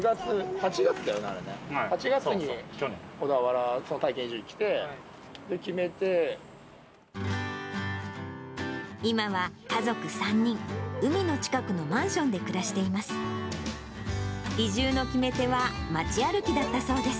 ８月に小田原、今は家族３人、海の近くのマンションで暮らしています。